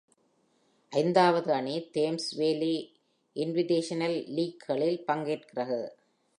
ஐந்தாவது அணி Thames Valley Invitational League -களில் பங்கேற்கிறது.